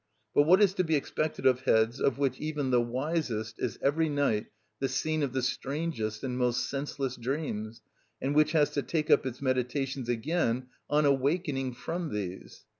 But what is to be expected of heads of which even the wisest is every night the scene of the strangest and most senseless dreams, and which has to take up its meditations again on awakening from these?